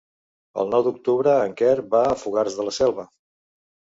El nou d'octubre en Quer va a Fogars de la Selva.